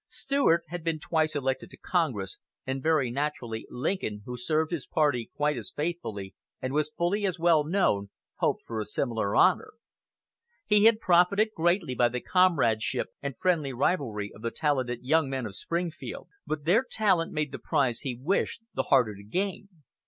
Stuart had been twice elected to Congress, and very naturally Lincoln, who served his party quite as faithfully, and was fully as well known, hoped for a similar honor. He had profited greatly by the companionship and friendly rivalry of the talented young men of Springfield, but their talent made the prize he wished the harder to gain.